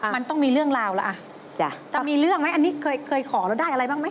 มันต้องมีเรื่องราวแล้วอ่ะจะมีเรื่องไหมอันนี้เคยขอแล้วได้อะไรบ้างไหม